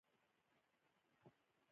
که غواړئ خپله خوشاله واوسئ پوه شوې!.